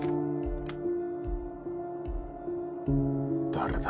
誰だ？